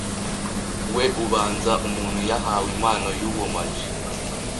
We ubanza umuntu yahawe impano yubumaji